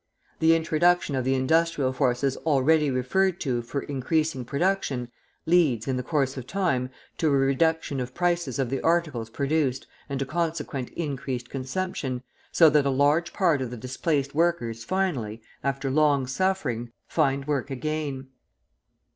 The introduction of the industrial forces already referred to for increasing production leads, in the course of time, to a reduction of prices of the articles produced and to consequent increased consumption, so that a large part of the displaced workers finally, after long suffering, find work again.